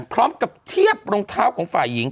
พร้อมกับเทียบรองเท้าของฝ่ายหญิง